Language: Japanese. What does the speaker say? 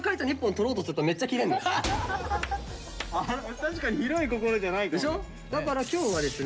確かに広い心じゃないかもね。